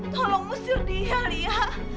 tolong usir dia lia